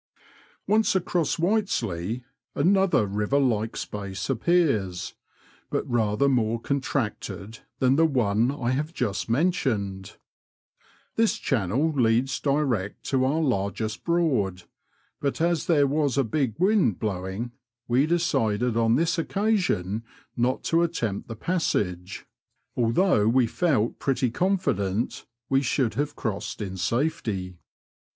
Once across Whiteslea, another river like space appears, but rather more contracted than the one I have just men tioned. This channel leads direct to our largest Broad, but as there was a big wind blowing, we decided on this Digitized by VjOOQIC 94 BBOADS AND BIVEBS OF NOBFOLK AND SUFFOLK. occasion not to attempt the passage^ although we felt pretty confident we should have crossed in safety.